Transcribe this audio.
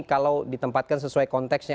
kalau ditempatkan sesuai konteksnya